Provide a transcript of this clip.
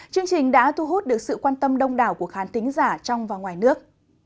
chương trình đã thu hút được sự quan tâm đông đảo của khán tính giả trong và ngoài nước